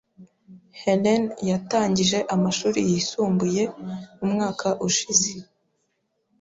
Helen yarangije amashuri yisumbuye umwaka ushize.